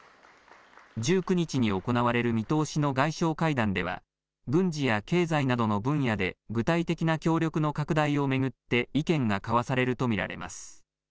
１９日に行われる見通しの外相会談では軍事や経済などの分野で具体的な協力の拡大を巡って意見が交わされると見られます。